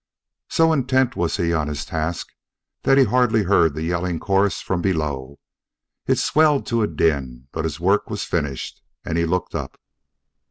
So intent was he on his task that he hardly heard the yelling chorus from below. It swelled to a din; but his work was finished, and he looked up.